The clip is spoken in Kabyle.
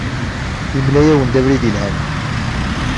Yemla-awen-d abrid yelhan.